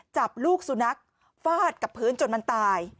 จับลูกสุนัขฟาดกับพื้นจนมันตาย